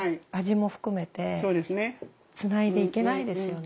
つないでいけないですよね。